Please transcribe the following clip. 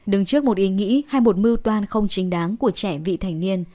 đứng trước một ý nghĩ hay một mưu toan không chính đáng của trẻ vị thành niên